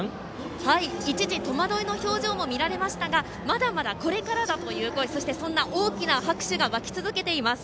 一時、戸惑いの表情も見られましたがまだまだこれからだという声そしてそんな大きな拍手が沸き続けています。